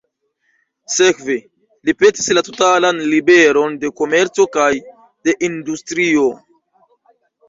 Sekve, li petis la totalan liberon de komerco kaj de industrio.